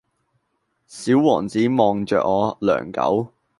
小王子望著我良久